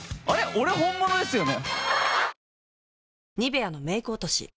俺本物ですよね？